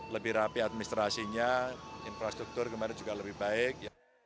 lebih rapi administrasinya infrastruktur kemarin juga lebih baik